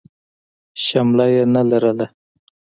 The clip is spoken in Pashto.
شمله يې نه لرله.